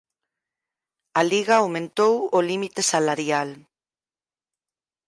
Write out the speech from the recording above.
A liga aumentou o límite salarial.